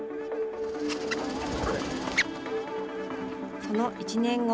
その１年後。